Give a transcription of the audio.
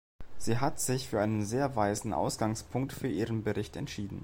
Sie hat sich für einen sehr weisen Ausgangspunkt für ihren Bericht entschieden.